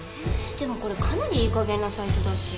でもこれかなりいいかげんなサイトだし。